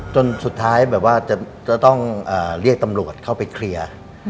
จนสุดท้ายแบบว่าจะต้องเรียกตำรวจเข้าไปเคลียร์